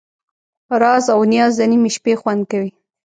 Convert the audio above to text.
راز او نیاز د نیمې شپې خوند کوي.